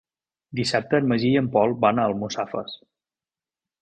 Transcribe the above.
Dissabte en Magí i en Pol van a Almussafes.